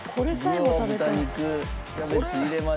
具を豚肉キャベツ入れまして。